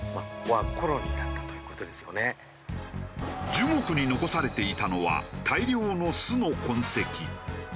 樹木に残されていたのは大量の巣の痕跡。